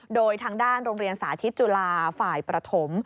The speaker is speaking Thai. โดยทางด้านโรงเรียนสาธิตจุฬาฝ่ายประถม